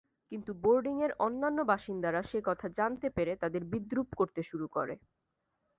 কিন্তু বোর্ডিং-এর অন্যান্য বাসিন্দারা সে কথা জানতে পেরে তাদের বিদ্রুপ করতে শুরু করে।